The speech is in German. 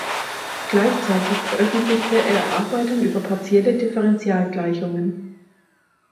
Gleichzeitig veröffentlichte er Arbeiten über partielle Differentialgleichungen.